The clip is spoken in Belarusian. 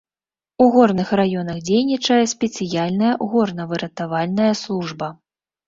У горных раёнах дзейнічае спецыяльная горнавыратавальная служба.